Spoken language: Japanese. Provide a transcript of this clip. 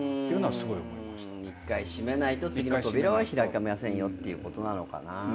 一回閉めないと次の扉は開きませんよってことなのかな。